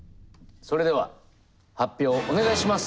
それでは発表お願いします。